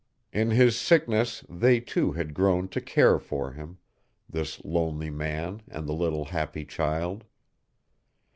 In his sickness they too had grown to care for him, this lonely man and the little happy child.